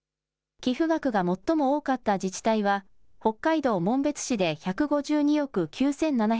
寄付額が最も多かった自治体は北海道紋別市で１５２億９７００万円。